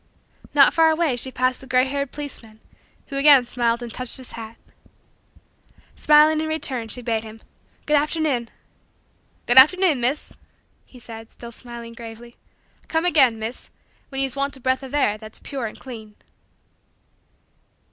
Not far away, she passed the gray haired policeman, who again smiled and touched his hat. Smiling in return she bade him: "Good afternoon." "Good afternoon, Miss," he said, still smiling gravely. "Come again, Miss, when ye's want a breath of air that's pure and clean."